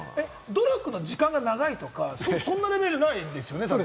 努力の時間が長いとか、そんなレベルじゃないですよね。